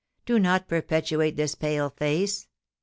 Do not perpetuate this pale face.